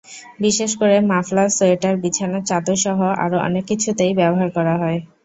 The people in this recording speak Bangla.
বিশেষ করে মাফলার, সোয়েটার, বিছানার চাদরসহ আরও অনেক কিছুতেই ব্যবহার করা হয়।